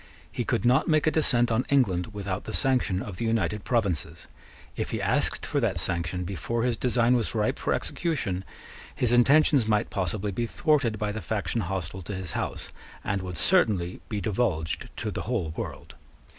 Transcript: He could not make a descent on England without the sanction of the United Provinces. If he asked for that sanction before his design was ripe for execution, his intentions might possibly be thwarted by the faction hostile to his house, and would certainly be divulged to the whole world.